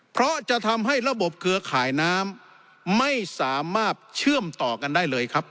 เพราะจะทำให้ระบบเครือข่ายน้ำไม่สามารถเชื่อมต่อกันได้เลยครับ